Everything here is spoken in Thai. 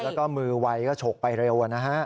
แล้วก็มือไวก็ฉกไปเร็วนะฮะ